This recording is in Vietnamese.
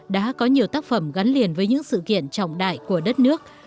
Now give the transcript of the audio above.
đã có nhiều tác phẩm gắn liền với những sự kiện trọng đại của đất nước